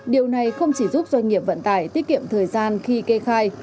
điều này không chỉ giúp doanh nghiệp vận tải tiết kiệm thời gian khi kê khai